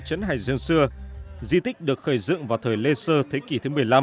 trấn hải dương xưa di tích được khởi dựng vào thời lê sơ thế kỷ thứ một mươi năm